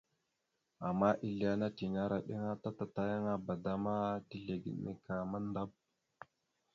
Ama ezle ana tinera iɗəŋa ta tatayaŋaba da ma tizlegeɗ nike mandap.